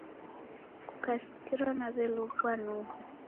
Kukasikira naw'elow'ua, noho.